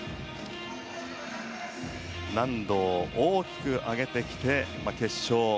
難度を大きく上げてきて、決勝。